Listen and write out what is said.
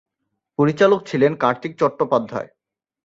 পরিচালক ছিলেন কার্তিক চট্টোপাধ্যায়।